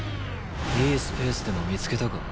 いいスペースでも見つけたか？